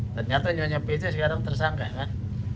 ternyata nyonya pc sekarang tersangka kan